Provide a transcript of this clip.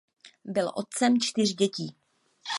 Byl otcem čtyř dětí.